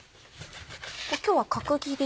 今日は角切り。